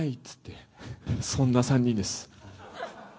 そんな３人です。